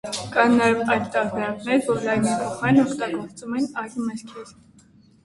Կան նաև այլ տարբերակներ, որ լայմի փոխարեն օգտագործվում են այլ մրգեր։